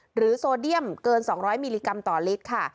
โซเดียมเกิน๒๐๐มิลลิกรัมต่อลิตรค่ะ